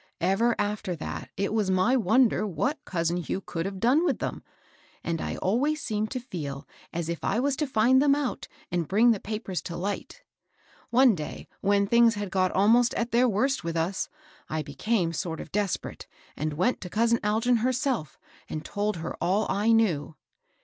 Ever after that it was my wonder what cousin Hugh could have done with them, and I always seemed to feel as if I was to find them out and bring the papers to light. One day when things had got almost at their worst with us, I became sort of desperate, and went to cousin Algin herself, and told her all I knew."